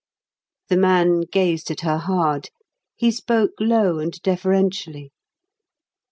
The man gazed at her hard. He spoke low and deferentially.